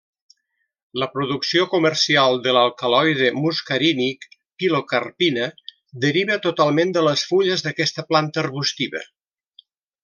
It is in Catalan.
La producció comercial de l'alcaloide muscarínic pilocarpina deriva totalment de les fulles d'aquesta planta arbustiva.